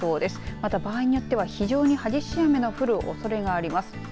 また場合によっては非常に激しい雨の降るおそれがあります。